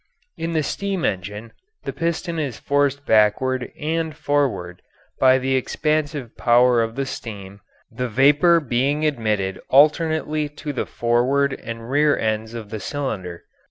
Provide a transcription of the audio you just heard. In the steam engine the piston is forced backward and forward by the expansive power of the steam, the vapour being admitted alternately to the forward and rear ends of the cylinder.